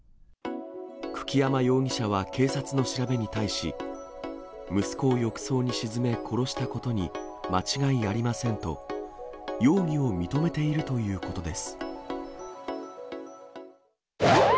久木山容疑者は警察の調べに対し、息子を浴槽に沈め、殺したことに間違いありませんと容疑を認めているということです。